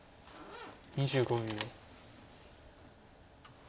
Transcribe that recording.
２５秒。